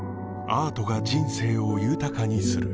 アートが人生を豊かにする